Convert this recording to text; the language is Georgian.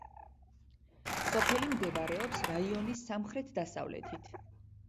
სოფელი მდებარეობს რაიონის სამხრეთ-დასავლეთით.